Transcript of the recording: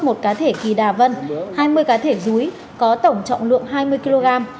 một cá thể kỳ đà vân hai mươi cá thể rúi có tổng trọng lượng hai mươi kg